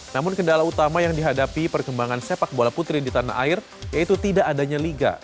namun kendala utama yang dihadapi perkembangan sepak bola putri di tanah air yaitu tidak adanya liga